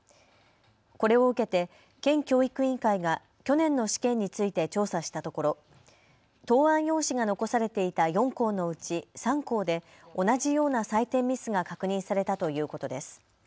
これを受けて県教育委員会が去年の試験について調査したところ答案用紙が残されていた４校のうち３校で同じような採点ミスが確認されたということです。